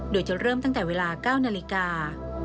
โดยจะเริ่มตั้งแต่เวลา๙นาฬิกา